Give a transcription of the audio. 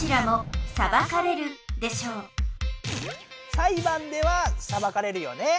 裁判ではさばかれるよね。